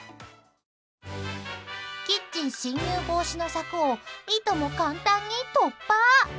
キッチン侵入防止の柵をいとも簡単に突破。